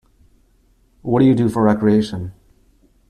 What do you do for recreation?